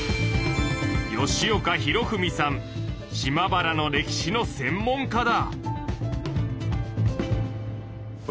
島原の歴史の専門家だ。